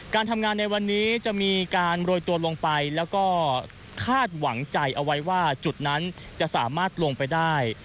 การทำงานในวันนี้จะมีการโรยตัวลงไปแล้วก็คาดหวังใจเอาไว้ว่าจุดนั้นจะสามารถลงไปได้